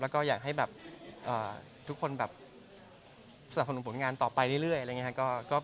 แล้วก็อยากให้แบบทุกคนแบบสนับสนุนผลงานต่อไปเรื่อยอะไรอย่างนี้ครับ